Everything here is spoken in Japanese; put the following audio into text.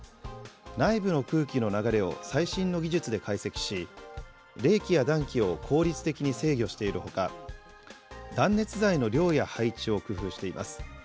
内部の空気の流れを最新の技術で解析し、冷気や暖気を効率的に制御しているほか、断熱材の量や配置を工夫しています。